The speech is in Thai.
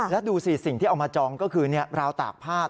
แล้วดูสิสิ่งที่เอามาจองก็คือราวตากผ้า